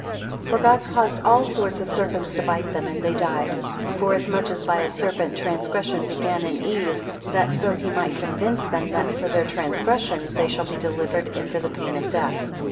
8 For God caused all sorts of serpents to bite them, and they died: forasmuch as by a serpent transgression began in Eve; that so he might convince them that for their transgressions they shall be delivered into the pain of death.